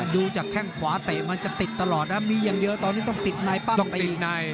ดูจากแข้งขวาเตะมันจะติดตลอดนะมีอย่างเดียวตอนนี้ต้องติดในปั้งตีใน